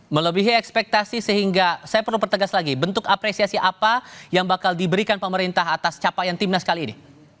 melebihi ekspektasi sehingga saya perlu pertegas lagi bentuk apresiasi apa yang bakal diberikan pemerintah atas capaian timnas kali ini